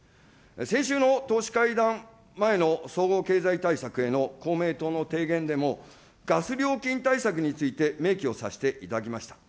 先週の党首会談前の総合経済対策への公明党の提言でも、ガス料金対策について明記をさせていただきました。